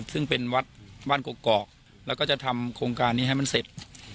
ซึ่งเป็นวัดบ้านกกอกแล้วก็จะทำโครงการนี้ให้มันเสร็จ